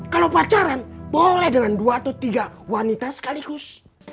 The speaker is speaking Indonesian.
kalau pacaran boleh dengan dua atau tiga wanita sekaligus